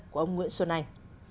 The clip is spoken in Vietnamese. của ông nguyễn xuân anh